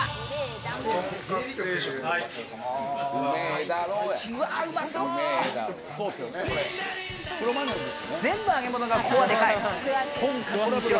どうさ全部揚げ物が、ここはでかい。